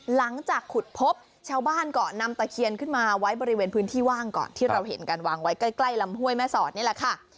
หลังจากขุดพบชาวบ้านก็นำตะเคียนขึ้นมาไว้บริเวณพื้นที่ว่างก่อนที่เราเห็นการวางไว้ใกล้ลำห้วยแม่สอดนี่แหละค่ะ